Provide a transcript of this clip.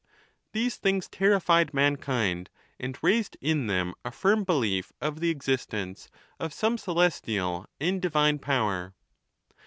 These things terrified mankind, and raised in them a firm belief of the existence of some celestial and divine power.